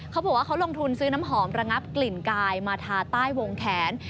เขาบอกว่าเขาลงทุนซื้อน้ำหอมระงับกลิ่นกายมาทาใต้วงแขน